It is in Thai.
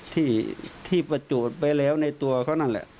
ที่ประจูดไว้แล้วในตัวเขานั่นแหละ